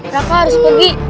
raka harus pergi